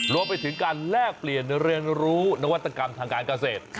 รวมไปถึงการแลกเปลี่ยนเรียนรู้นวัตกรรมทางการเกษตร